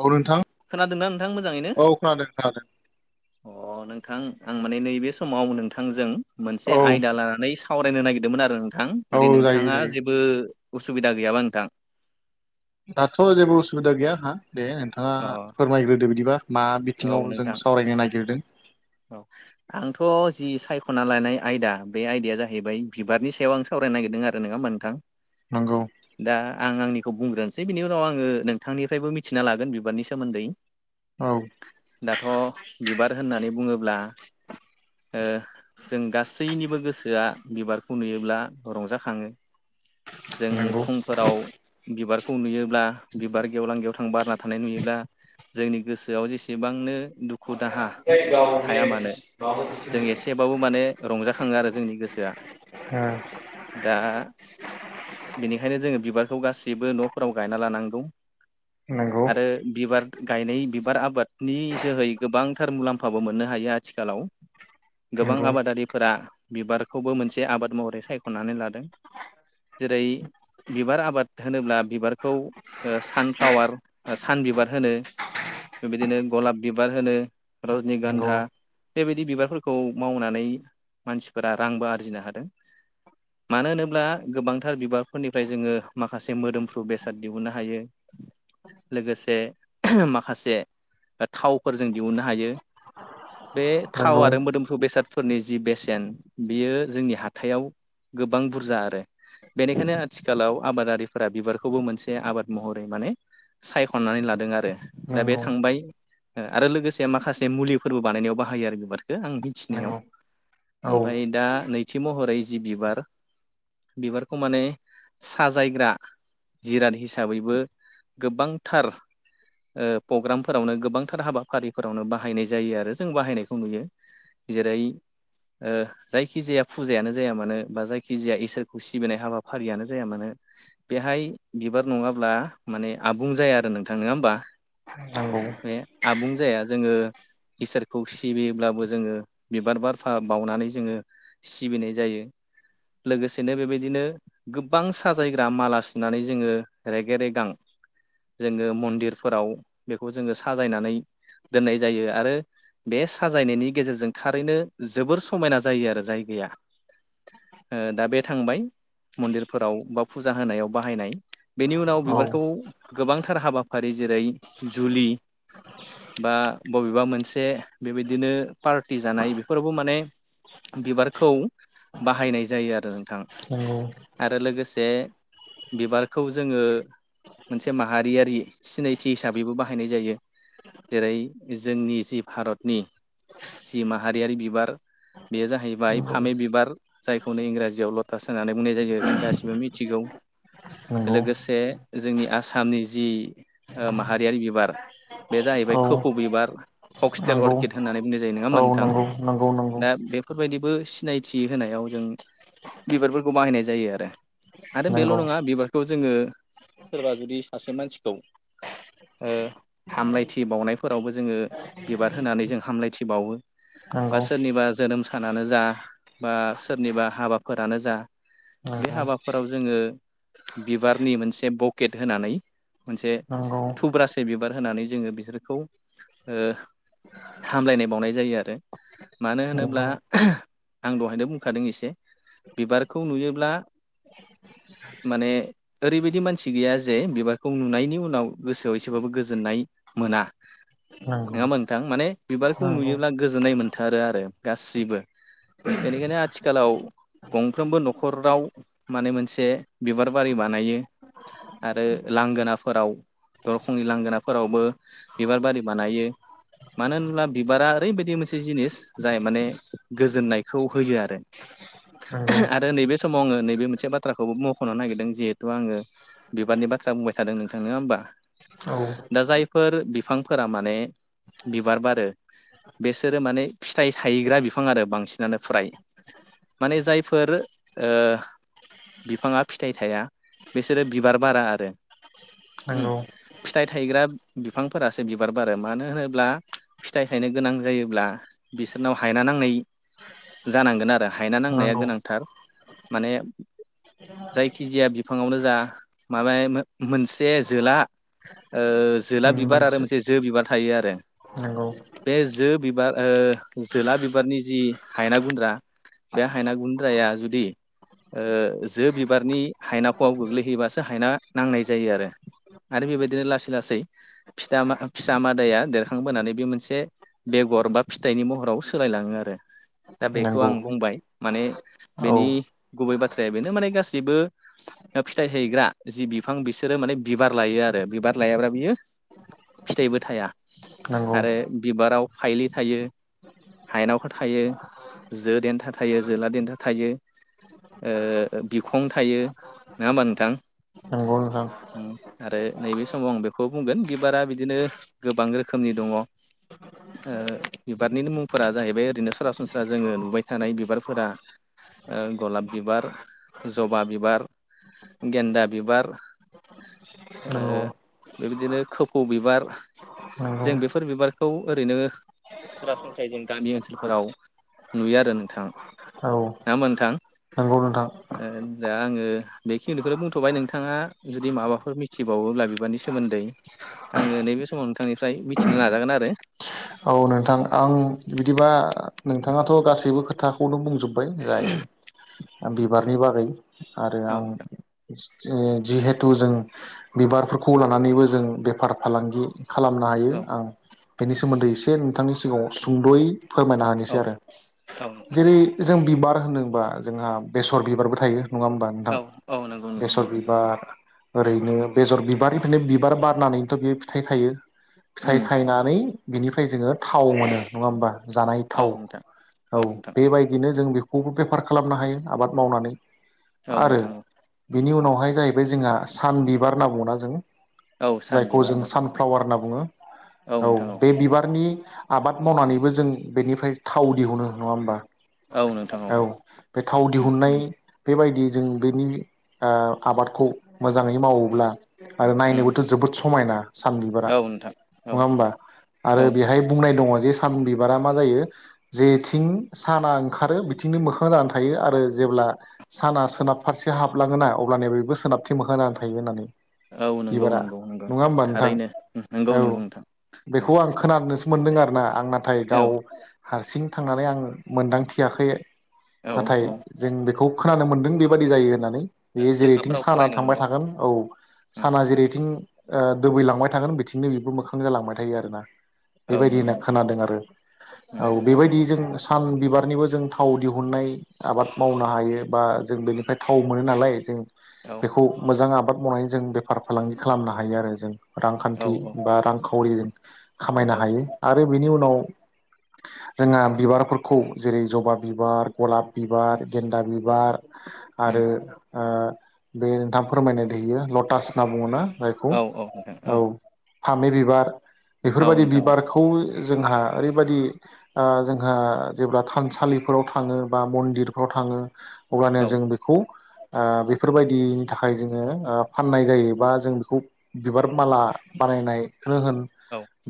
औ नोंथां खोनादोंना नोंथां मोजाङैनो? औ खोनादों खोनादों अ नोंथां आं माने नैबे समाव नोंथांजों मोनसे औ आयदा लानानै सावरायनो नागिरदोंमोन आरो। नोंथां औ जुदि जायो नोंथाङा जायो जेबो उसुबिदा गैयाबा नोंथां। दाथ' जेबो असुबिदा गैया आहा। दे नोंथांङा अ फोरमायग्रोदो बिदिबा मा औ बिथिङाव जों नोंथां सावरायनो नागिरदों। औ आंथ जि सायख'ना लानाय आयदा बे आयदाया जाहैबाय बिबारनि सायाव आं सावरायनो नागिरदों आरो। नङा होमबा नोंथां? नंगौ दा आं आंनि खौ बुंग्रोनोसै बिनि उनाव आङो नोंथांनिफ्रायबो मिथिना लागोन बिबारनि सोमोन्दै। औ दाथ' बिबार होननानै बुङो ब्ला ओ जों गासैनिबो गोसोआ बिबारखौ नुयोब्ला रंजाखाङो। जों नंगौ ओ फुंफोराव बिबार खौ नुयोब्ला बिबार गेवलां गेवथां बारना थानाय नुयोब्ला जोंनि गोसोआव जेसेबांनो दु खु दाहा थाया मानो जों एसेबाबो माने रंजा खाङो आरो जोंनि गोसोआ। दा बेनिखायनो जोङो बिबारखौ गासैबो नफोराव गायना लानांगौ। नंगौ आरो बिबार गायनाय बिबार आबादनि जोहै गोबांथार मुलाम्फाबो मोनो हायो आथिखालाव। गोबां नंगौ आबादारिफोरा बिबारखौबो मोनसे आबाद महरै सायखनानै लादों। जेरै बिबार आबाद होनोब्ला बिबारखौ ओ सानफ्लावार सान बिबार होनो बेबायदिनो गलाब बिबार होनो रजनि गान नंगौ धा बेबायदि बिबारफोरखौ मावनानै मानसिफोरा रांबो आरजिनो हादों। मानो होनोब्ला गोबांथार बिबारफोरनिफ्राय जोङो माखासे मोदोमफ्रु बेसाद दिहुननो हायो लोगोसे माखासे थावफोर जों दिहुननो हायो। बे थाव नंगौ आरो मोदोमफ्रु बेसाद फोरनि जि बेसेन बियो जोंनि हाथाइयाव गोबां बुरजा आरो बेनिखायनो आथिखालाव आबादारिफोरा बिबारखौबो मोनसे आबाद महरै माने सायखनानै लादों आरो दा बे नंगौ थांबाय आरो लोगोसे माखासे मुलि फोरबो बानायनायाव बाहायो आरो बिबारखौ आं मिथिनायाव नंगौ औ ओमफ्राय दा नैथि महरै जि बिबार बिबारखौ माने साजायग्रा जिराद हिसाबैबो गोबांथार ओ प्रग्रामफोरावनो गोबांथार हाबाफारिफोरावनो बाहायनाय जायो आरो जों बाहायनायखौ नुयो जेरै ओ जायखि जाया फुजायानो जाया मानो बा जायखिजाया इसोरखौ सिबिनाय हाबाफारियानो जाया मानो बेहाय बिबार नङाब्ला माने आबुं जाया आरो नोंथां नंङा ओमबा। नंगौ बे आबुं जाया। जोङो इसोरखौ सिबियोब्लाबो जोङो बिबार बारफा बावनानै जोङो सिबिनाय जायो लोगोसेनो बेबायदिनो गोबां साजायग्रा माला सुनानै जोङो रेगे रेगां जोङो मन्दिरफोराव बेखौ जोङो साजायनानै दोननाय जायो आरो बे साजायनायनि गेजेरजों थारैनो जोबोर समायना जायो आरो जायगाया दा बे थांबाय मन्दिरफोराव बा फुजा होनायाव बाहायनाय। बेनि उनाव औ बिबारखौ नंगौ गोबांथार हाबाफारि जेरै जुलि बा बबेबा मोनसे बेबायदिनो पार्टि जानाय बेफोरावबो माने बिबारखौ बाहायनाय जायो आरो नोंथां आरो लोगोसे बिबारखौ जोङो मोनसे माहारियारि सिनायथि हिसाबैबो बाहायनाय जायो जेरै जोंनि जि भारतनि जि माहारियारि बिबार बेयो जाहैबाय नंगौ फामे बिबार जायखौनो इंराजियाव लथास होननानै बुंनाय जायो जों गासिबो मिथिगौ नंगौ लोगोसे जोंनि आसामनि जि ओ माहारियारि बिबार बे जाहैबाय औ खो फौ बिबार अबिबार फक्सटेल नंगौ अर्किद होननानै बुंनाय जायो नङा औ मोनोंथां नंगौ दा बेफोरबायदिबो सिनायथि होनायाव जों बिबारफोरखौ बाहायनाय जायो आरो आरो बेल' नंगौ नंगौ नङा बिबारखौ जोङो सोरबा जुदि सासे मानसिखौ ओ हामलायथि बावनाय फोरावबो जोङो बिबार होनानै जों हामलायथिबावो बा सोरनिबा जोनोम सानानो जा बा सोरनिबा हाबाफोरानो जा बे नंगौ हाबाफोराव जोङो बिबारनि मोनसे बकेट होनानै मोनसे नंगौ नंगौ थुब्रासे बिबार होनानै जोङो बिसोरखौ ओ हामलायनाय बावनाय जायो आरो मानो नंगौ होनोब्ला आं दहायनो बुंखादों एसे बिबारखौ नुयोब्ला माने ओरैबायदि मानसि गैया जे बिबारखौ नुनायनि उनाव गोसोआव एसेबाबो गोजोननाय मोना। नंगौ नङा नोंथां माने बिबारखौ नंगौ नुयोब्ला गोजोननाय मोनथारो आरो गासिबो बेनिखायनो आथिखालाव गंफ्रोमबो न'खराव माने मोनसे बिबार बारि बानायो आरो लांगोनाफोराव दरखंनि लांगोनाफोरावबो बिबार बारि बानायो मानो होनब्ला बिबारा ओरैबायदि मोनसे जिनिस जाय माने गोजोननायखौ होयो आरो नंगौ नंगौ आरो नैबे समाव आङो नैबे मोनसे बाथ्राखौ मख'नो नागिरदों जिहेथु आङो बिबारनि बाथ्रा बुंबाय थादों नोंथां नोङा होमबा औ दा जायफोर बिफां फोरा माने बिबार बारो बिसोरो माने फिथाइ थायग्रा बिफां आरो बांसिनानो फ्राय माने जायफोर बिफाङा फिथाइ थाया बिसोरो बिबार बारा आरो नंगौ फिथाइ थायग्रा बिफांफोरासो बिबार बारो मानो होनोब्ला फिथाइ थायनो गोनां जायोब्ला बिसोरनाव हायना नांनाय जानांगोन आरो हायना नांनाया नंगौ गोनांथार माने जायखि जाया बिफाङावनो जा माबाया मोनसे जोला ओ जोला बिबार आरो मोनसे जे जो बिबार थायो आरो नंगौ बे जो बिबार ओ जोला बिबारनि जि हायना गुन्द्रा बे हायना गुन्द्राया जुदि ओ जो बिबारनि हायनाख'वाव गोग्लैहैयोबासो हायना नांनाय जायो आरो आरो बेबायदिनो लासै लासै फिथा फिसा मादाया देरखांबोनानै बे मोनसे बेगर बा फिथाइनि महराव सोलायलाङो आरो दा बेखौ नंगौ आं बुंबाय माने औ बेनि गुबै बाथ्राया बेनो माने गासैबो फिथाइ थायग्रा जि बिफां बिसोरो माने बिबार लायो आरो बिबार लायाब्ला बियो फिथाइबो थाया नंगौ आरो बिबाराव फाइलि थायो हायनावफोर थायो जो देन्था थायो जोला देन्था थायो ओ बिखं थायो नङा होमबा नोंथां नंगौ नोंथां आरो नैबे समाव आं बेखौ बुंगोन बिबारा बिद दिनो गोबां रोखोमनि दङ ओ बिबारनि मुंफोरा जाहैबाय ओरैनो सरासनस्रा जोङो नुबाय थानाय बिबारफोरा गलाब बिबार जबा बिबार गेन्दा बिबार ओ नंगौ बेबायदिनो खोब फ' बिबार नंगौ जों बेफोर बिबारखौ ओरैनो सरासनस्रायै जों गामि ओनसोलफोराव नुयो आरो नोंथां औ नङा होमबा नोंथां नंगौ नोंथां दा आङो बेखिनिखौनो बुंथ'बाय नोंथाङा जुदि माबाफोर मिथिबावोब्ला बिबारनि सोमोन्दै आङो नैबे समाव नोंथांनिफ्राय मिथिनो नाजागोन आरो औ नोंथां आं बिदिबा नोंथाङाथ' गासैबो खोथाखौनो बुं जोब्बाय जाय बिबारनि बागै आरो औ आं नोंथां ए जिहेथु जों बिबारफोरखौ लानानैबो जों बेफार फालांगि खालामनो हायो औ आं बेनि सोमोन्दै एसे बे थांनि सिगाङाव सुंद'यै फोरमायना होनोसै आरो औ जेरै जों बिबार होनोबा जोंहा बेसर बिबारबो थायो। नङा होमबा नोंथां औ औ नंगौ नंगौ बेसर नंगौ नोंथां बिबार उम ओरैनो बेसर बिबारनिफ्रायनो बिबार बारनानैनोथ' बेयो फिथाइ थायो। फिथाइ उम थायनानै बिनिफ्राय जोङो थाव मोनो नङा होमबा? जानाय औ थाव नोंथां औ बेबायदिनो जों बेख खौबो बेफार खालामनो हायो आबाद मावनानै। औ आरो नोंथां बिनि उनाव बेवहाय जाहैबाय जोंहा सान बिबार होनना बुङोना जों औ सान जायखौ बिबार जों होनना बुङो सानफ्लावार होनना बुङो औ बे बिबारनि आबाद मावनानैबो जों बेनिफ्राय थाव दिहुनो नङा होमबा, औ नोंथां औ बे थाव उम दिहुननाय उम बेबायदि जों बेनि ओ आबादखौ मोजाङै मावोब्ला, आरो उम नायनोबोथ' जोबोद स समायना सान बिबारा औ नोंथां औ नङा होमबा आरो औ बेहाय बुंनाय दङ जे सान बिबारा मा जायो जेथिं साना ओंखारो बिथिंनो मोखां जानानै थायो आरो जेब्ला साना सोनाब फारसे हाबलाङोना अब्लानो बेबो सोनाबथिं मोखां जानानै थायो होननानै औ नंगौ बिबारा नंगौ नंगौ नङा नोंथां होमबा थारैनो नंगौ औ नंगौ नोंथां होनदों आरोना आं नाथाय औ दाउ हारसिं थांनानै आं मोनदांथियाखै, औ नाथाय औ जों बेखौ खोनानो मोन्दों बेबायदि जायो होननानै, बेयो जेरैथिं लेखाफोराव साना फरायनो थांबाय मोनदों थागोन औ साना जेरैथिं ओ दोबैलांबाय थागोन बिथिंनो बेबो मोखां जालांबाय थायो आरोना औ नंगौ बेबायदिनो नोंथां खोनादों आरो औ उम उम बेबायदि जों सान बिबारनिबो जों थाव दिहुननाय, आबाद मावनो हायो बा जों बेनिफ्राय थाव मोनो नालाय जों, औ बेखौ मोजां आबाद मावनानै जों बेफार फालांगि खालामनो हायो आरो जों, औ रांखान्थि बा रांखौ [unintelligible] औ हायो आद [unintelligible] बेनि औ उनाव जोंहा बिबारफोरखौ जेरै जबा बिबार गलाब बिबार गेन्दा बिबार, आरो उम ओ बे नोंथांआ फोरमायनाय बेयो लटास होनना बुङोना? बाइखौ औ औ नोंथां औ फामे बिबार औ बेफोरबायदि बि, नोंथां औ बारखौवो जोंहा ओरैबायदि ओ जोंहा जेब्ला थानसालिफोराव थाङो बा मन्दिरफ्राव थाङो, अब्लानो औ जों बेखौ ओ बेफोरबायदिनि थाखाय जोङो ओ फाननाय जायो बा जों बेखौ बिबार माला बानायनाय? बेखौनो होन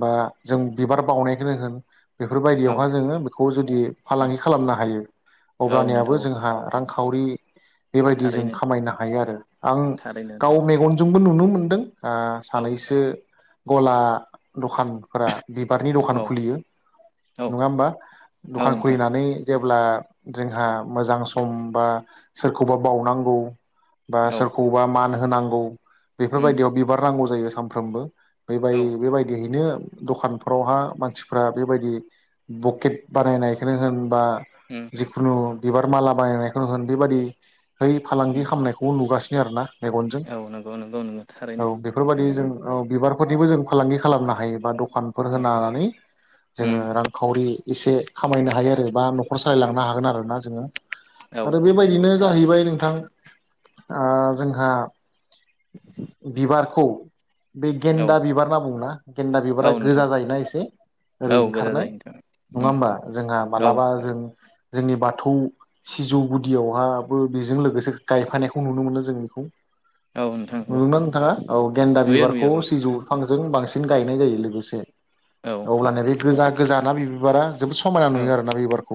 बा जों बिबार बावनायखोनो होन। औ बेफोरबायदियावहा जोङो बेखौ जुदि फालांगि खालामनो हायो औ अब्लानियाबो नोंथां औ जोंहा रांख खावरि। बेबायदि जों थारैनो खामायनो हायो आरो आं थारैनो गाव नोंथां मेगनजोंबो नुनो मोन दों। आ औ नोंथां सानैसो। ग'ला दखान। फोरा बिबारनि दखान औ खुलियो औ नङा होम्बा औ दखान नोंथां खुलिनानै। जेब्ला जोंहा मोजां सम बा सोरखौबा बावनांगौ। बा औ सोरखौबा मान हो होनांगौ। उम बेफोरबायदियाव बिबार नांगौ जायो। सामफ्रोमबो। औ बेबाय-बेबायदिहैनो। दखानफोरावहा मानसिफ्रा बेबायदि बकेट बानायनायखोनो होनबा। उम जिखुनु। बिबार माला बानायनायखौनो होन बेबायादि है फालांगि खामनायखौ नुगासिनो आरो ना। मेगनजों औ नंगौ नंगौ नंगौ औ थारैनो बेफोरबादि जों। औ बिबारफोरनिबो जों फालांगि खालामनो हायो बा दख फानफोर औ होनानानै जोङो उम रांखावरि। एसे खामायनो हायो आरो बा नग ख'र सालायलांनो हागोन आरो ना जोङो। औ आरो औ नंगौ बेबायदिनो थारैनो जाहैबाय नोंथां। ओ जोंहा बिबारखौ। बे औ गेन्दा बिबार ना बुङो ना। गेन्दा बिबारा औ नोंथां गोजा जायोना एसे औ ओरै गोजा ओंखारनाय जायो नोंथां नङा उम होमबा जोंहा औ मालाबा जों। जोंनि बाथौ सिजौ गुदियावहाबो बिजों लोगोसे गायफानायखौ नुनो मोनो जों बिखौ। औ नोंथां नंगौ नुदोंना नोंथाङा औ गेन्दा नुयो नुयो बिबारखौ औ सिजौ फांजों बांसिन गायनाय जायो लोगोसे ए औ अब्लानो बे गोजा गो गोजाना बि बिबारा जोबोद समायना ओ नुयो आरोना बे बिबारखौ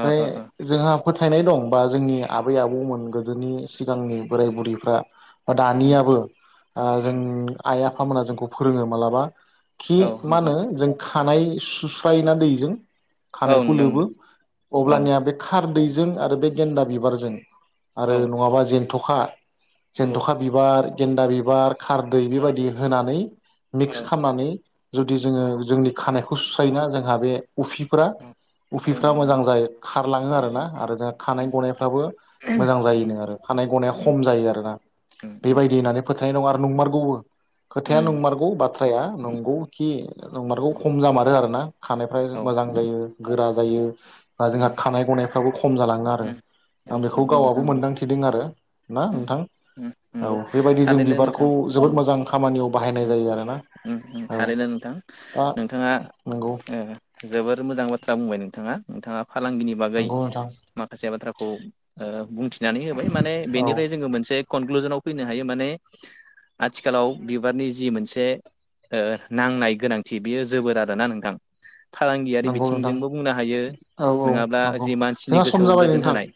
ओ ओ जोंहा फोथ फोथायनाय दं बा जोंनि आबै आबौमोन गोदोनि सिगांनि बोराय बुरैफ्रा उम दानियाबो ओ जों उम आइ आफा थां मोना जोंखौ फोरोङो मालाबा खि औ मा नंगौ होनो जों खानाय सु सुस्रायोना दैजों औ खानायखौ नोंथां लोबो औ अब्लानिया बे खारदै जों आरो बे गेन्दा बिबारजों आरो औ नङाबा जेन थ'खा जेन ओ थखा बिबार गेन्दा बिबार खारदै बेबायदि होनानै ओ मिक्स खामनानै जुदि जोङो उम जोंनि खानायखौ गुस्रायना जोंहा बे उफिफ्रा औ औ उफिफ्रा उम मोजां जायो खारलाङो आरोना आरो जोंहा खानाय गनाय फ्राबो मोजां उम जायोनो आरो खानाय गनाया उम खम जायो आरोना उम बेबायदि होननानै फोथ हानायनङा आरो नंमारगौबो खोथाया उम नंमारगौ बाथ्राया नंगौ बि नंमारगौ खम जामारो आरो ना खानायफोरा औ मोजां जायो गोरा जायो बा जोंहा उम खानाय गनाय दावोखि खम जालाङो आरो उम औ आं बेखौ नंगौ गावाबो नोंथां नंगौ मोनदांथिदों आरो ना उम नोंथां उम नंगौ औ बेबायदि जों थारैनो बिबारखौ नोंथां उम जोबोद मोजां खामानियाव बाहायनाय उम जायो आरो उम उम थारैनो नोंथां नोंथाङा नंगौ ओ जोबोर मोजां बाथ्रा बुंबाय नों नोंथाङा नोंथाङा। फालांगिनि बागै नंगौ नोंथां माखासे बाथ्राखौ ओ बुंथिनानै होबाय माने औ बेनिफ्राय जोङो मोनसे कनक्लुजनाव। फैनो हायो माने। आथिखालाव बिबारनि जि मोनसे। दे ओ नांनाय गोनांथि बियो जोबोर आरोना नोंथां। फालांगियारि नंगौ नोंथां बिथिंजोंबो बुंनो हायो औ औ नङाब्ला नंगौ जि मानसिनि जोंहा सम गोसोआव जाबाय गोजोन नोंथां होनाय।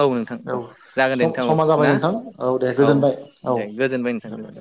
औ नोंथां औ जागोन दे सम नोंथां औ समा ना जाबाय नोंथां औ दे गोजोनबाय औ। दे गोजोनबाय नोंथां गोजोनबाय